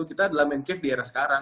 kita adalah main cave di era sekarang